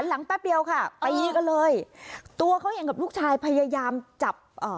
หันหลังแป๊บเดียวค่ะไปนี่ก็เลยตัวเขาอย่างกับลูกชายพยายามจับเอ่อ